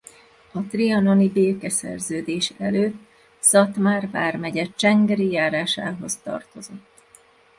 A trianoni békeszerződés előtt Szatmár vármegye csengeri járásához tartozott.